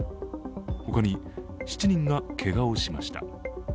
他に７人がけがをしました。